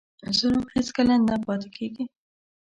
ظلم هېڅکله نه پاتې کېږي.